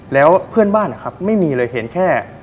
แล้วเพื่อนบ้านนะครับไม่มีเลยเห็นแค่